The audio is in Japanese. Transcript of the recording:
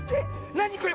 なにこれ？